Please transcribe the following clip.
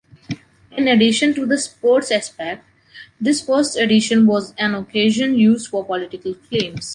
In addition to the sports aspect, this first edition was an occasion used for political claims.